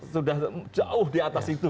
sudah jauh di atas itu